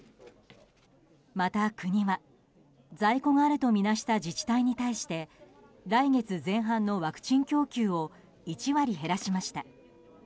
また国は、在庫があるとみなした自治体に対し来月前半のワクチン供給を１割減らしました。